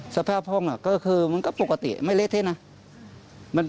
สภาพห้องก็คือมันก็ปกติไม่เละเทะนะ